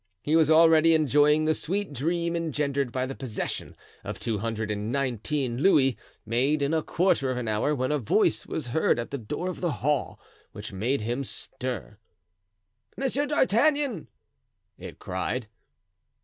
He was already enjoying the sweet dream engendered by the possession of two hundred and nineteen louis, made in a quarter of an hour, when a voice was heard at the door of the hall, which made him stir. "Monsieur d'Artagnan!" it cried.